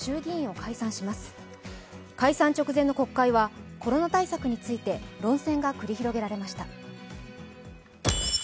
解散直前の国会はコロナ対策について論戦が繰り広げられました。